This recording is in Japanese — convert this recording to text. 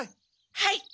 はい！